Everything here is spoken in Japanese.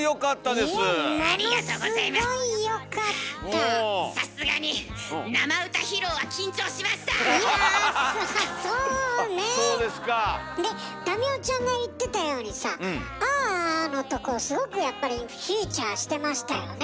で民生ちゃんが言ってたようにさ「あぁ」のとこすごくやっぱりフィーチャーしてましたよね。